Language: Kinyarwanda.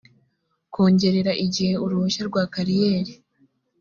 kongerera igihe uruhushya rwa kariyeri